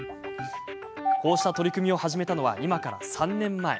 こうした取り組みを始めたのは今から３年前。